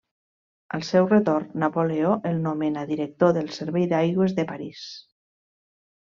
Al seu retorn, Napoleó el nomena director del servei d'aigües de París.